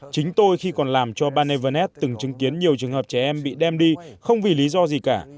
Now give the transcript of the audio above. chính tôi khi còn làm cho barnevanet từng chứng kiến nhiều trường hợp trẻ em bị đem đi không vì lý do gì cả